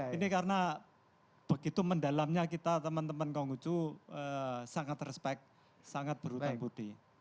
ini karena begitu mendalamnya kita teman teman konghucu sangat respect sangat berhutang budi